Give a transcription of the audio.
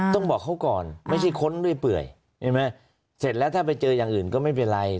ต้องบอกเขาก่อนไม่ใช่ค้นด้วยเปื่อยเห็นไหมเสร็จแล้วถ้าไปเจออย่างอื่นก็ไม่เป็นไร